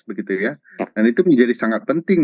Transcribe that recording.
dan itu menjadi sangat penting menjadi hal yang sangat penting